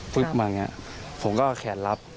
ปึ๊บมาอย่างนี้ผมก็แขนลับ